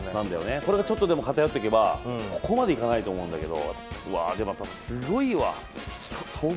これがちょっとでも偏ってけば、ここまでいかないと思うんだけどうわー、でもやっぱりすごいわ、飛ぶ。